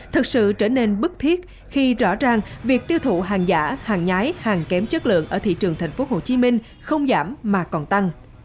thực sự trở nên bức thiết khi rõ ràng việc tiêu thụ hàng giả hàng nhái hàng kém chất lượng ở thị trường thành phố hồ chí minh không giảm mà còn tăng